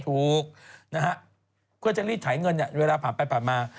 ถูกนะครับเขาจะรีดถ่ายเงินเวลาผ่านไปผ่านมา